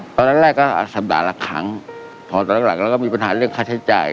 ตอนแรกก็สัปดาห์ละครั้งพอตอนหลังแล้วก็มีปัญหาเรื่องค่าใช้จ่าย